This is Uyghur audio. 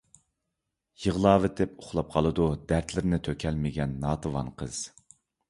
يىغلاۋىتىپ ئۇخلاپ قالىدۇ دەرىتلىرنى تۈكەلمىگەن ناتىۋان قىز